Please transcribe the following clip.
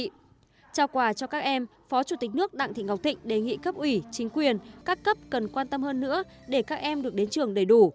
trao quà cho các em phó chủ tịch nước đặng thị ngọc thịnh đề nghị cấp ủy chính quyền các cấp cần quan tâm hơn nữa để các em được đến trường đầy đủ